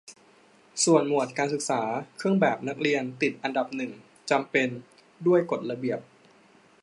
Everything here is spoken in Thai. ส่วนหมวดการศึกษา เครื่องแบบนักเรียนติดอันดับหนึ่ง "จำเป็น" ด้วยกฎระเบียบ